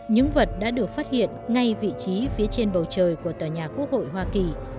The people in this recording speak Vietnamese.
những vật đã được phát hiện ngay vị trí phía trên bầu trời của tòa nhà quốc hội hoa kỳ